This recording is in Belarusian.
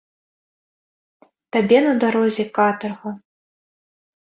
Табе на дарозе катарга.